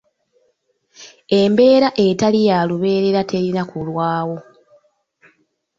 Embeera etali ya lubeerera terina kulwawo.